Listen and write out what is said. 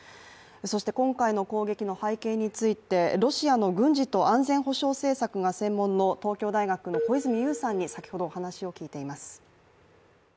そして今回の攻撃の背景についてロシアの軍事と安全保障がご専門の東京大学の小泉悠さんに先ほどお話しを聞いています。